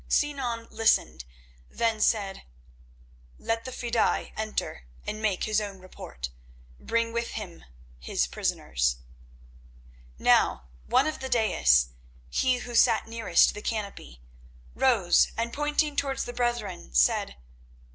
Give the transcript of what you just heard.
Sinan listened, then said: "Let the fedaï enter and make his own report, bringing with him his prisoners." Now one of the daïs, he who sat nearest the canopy, rose and pointing towards the brethren, said.